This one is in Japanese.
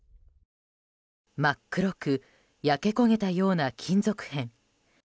真っ黒く焼け焦げたような金属片。